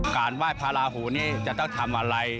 ไหว้พระราหูนี่จะต้องทำอะไร